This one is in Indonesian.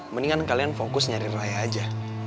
mendingan kalian fokus nyari raya aja